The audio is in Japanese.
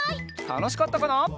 たのしかったかな？